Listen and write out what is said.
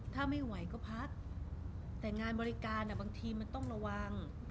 ถ้าไม่ไหวก็พักแต่งานบริการบางทีมันต้องระวัง